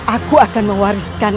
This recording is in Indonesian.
aku akan mewariskan